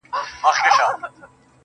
دا زما زړه په مرغانو کې حساب کړئ